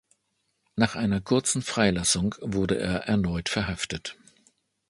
Nach einer kurzen Freilassung wurde er erneut verhaftet.